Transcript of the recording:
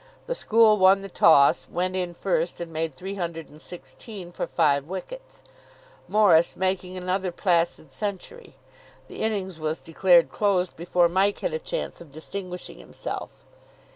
The school won the toss, went in first, and made three hundred and sixteen for five wickets, Morris making another placid century. The innings was declared closed before Mike had a chance of distinguishing himself.